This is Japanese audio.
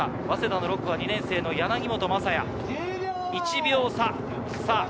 早稲田の６区は２年生の柳本、１秒差。